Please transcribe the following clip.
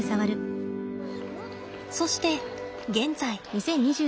そして現在。